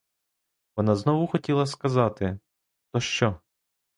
Вона знову хотіла сказати: то що?